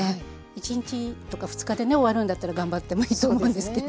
１日とか２日でね終わるんだったら頑張ってもいいと思うんですけど。